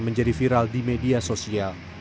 menjadi viral di media sosial